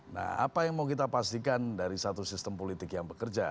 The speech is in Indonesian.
nah apa yang mau kita pastikan dari satu sistem politik yang bekerja